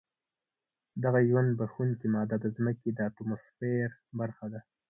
دغه ژوند بښونکې ماده د ځمکې د اتموسفیر برخه ده.